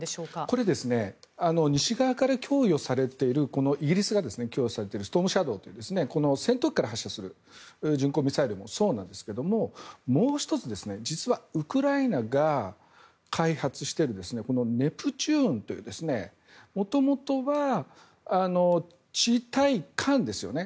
これですね、西側から供与されているイギリスから供与されているストームシャドーという戦闘機から発射する巡航ミサイルもそうなんですがもう１つ実はウクライナが開発しているネプチューンという元々は地対艦ですよね